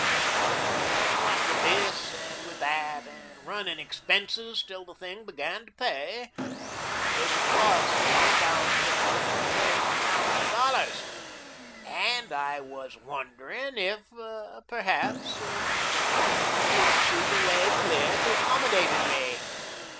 Well, what with this and with that and running expenses till the thing began to pay, it would cost me about ten thousand dollars, and I was wondering if, perhaps, you couldn't see your way clear to accommodating me."